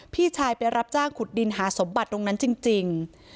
พี่ชายไปรับจ้างขุดดินหาสมบัติตรงนั้นจริง